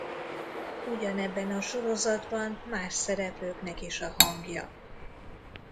Ugyanebben a sorozatban más szereplőknek is a hangja.